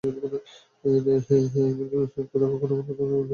আর খোদা কখনো আমার প্রার্থনার জবাব দেননি।